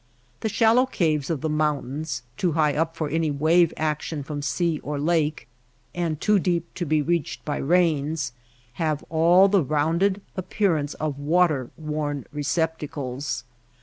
The shallow caves of the mountains — too high up for any wave action from sea or lake, and too deep to be reached by rains — have all the rounded appearance of water worn receptacles.